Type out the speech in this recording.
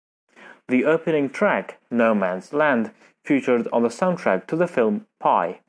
The opening track, "No Man's Land", featured on the soundtrack to the film, "Pi".